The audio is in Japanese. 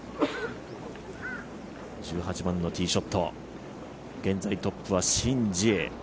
１８番のティーショット、現在トップはシン・ジエ。